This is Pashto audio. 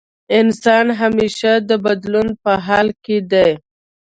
انسان همېشه د بدلون په حال کې دی.